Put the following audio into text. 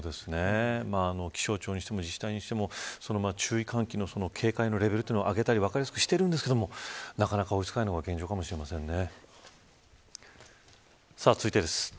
気象庁にしても自治体にしても注意喚起の警戒のレベルというのを上げたり分かりやすくはしていますがなかなか追いつかないのが現状かもしれませんね。